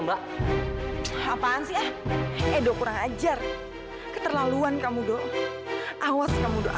mama juga gak tau nak